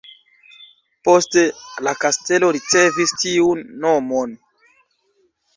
Poste la kastelo ricevis tiun nomon.